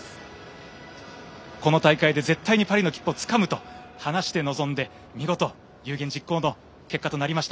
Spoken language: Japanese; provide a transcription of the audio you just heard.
この大会で絶対にパリの切符をつかむと話して臨んで見事、有言実行の結果となりました